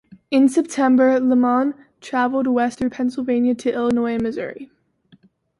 In September Lamon travelled west through Pennsylvania to Illinois and Missouri.